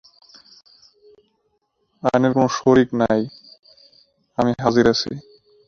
আপনার কোনো শরীক নেই, আমি হাজির আছি।